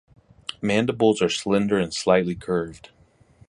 Mandibles are slender and slightly curved.